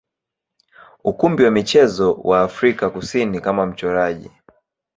ukumbi wa michezo wa Afrika Kusini kama mchoraji.